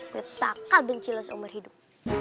gue takal benci lo seumur hidup